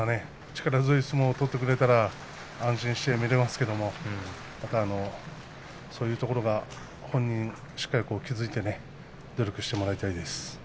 力強い相撲を取ってくれれば安心して見られますけれどもそういうところ本人が気がついて努力してくれればと思います。